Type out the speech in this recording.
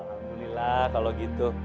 alhamdulillah kalau gitu